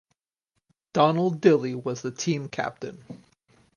Donald Dilly was the team captain.